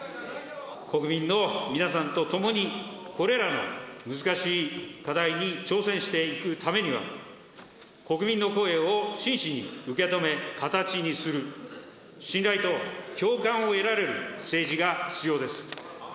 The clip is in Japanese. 国民の皆さんと共にこれらの難しい課題に挑戦していくためには、国民の声を真摯に受け止め形にする、信頼と共感を得られる政治が必要です。